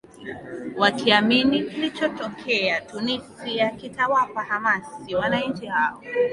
wakiamini kilichotokea tunisia kitawapa hamasi wananchi hao